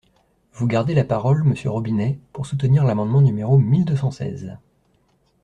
Vous gardez la parole, monsieur Robinet, pour soutenir l’amendement numéro mille deux cent seize.